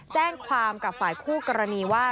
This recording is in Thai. แจ้งความกับฝ่ายคู่กรณีว่า